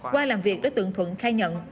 qua làm việc đối tượng thuận khai nhận